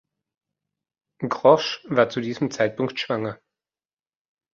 Grosch war zu diesem Zeitpunkt schwanger.